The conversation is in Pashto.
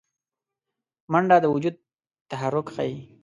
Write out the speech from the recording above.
منډه د وجود تحرک ښيي